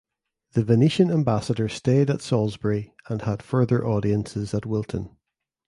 The Venetian ambassadors stayed at Salisbury and had further audiences at Wilton.